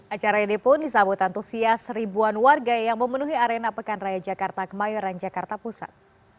acara ini pun disambut antusias ribuan warga yang memenuhi arena pekan raya jakarta kemayoran jakarta pusat